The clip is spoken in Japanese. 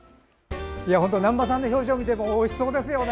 難波さんの表情を見てもおいしそうですよね。